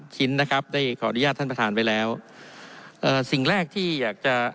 ชิ้นนะครับได้ขออนุญาตท่านประธานไว้แล้วเอ่อสิ่งแรกที่อยากจะ